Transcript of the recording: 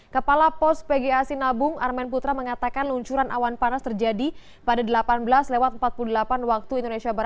kepala pos pga sinabung armen putra mengatakan luncuran awan panas terjadi pada delapan belas empat puluh delapan waktu indonesia barat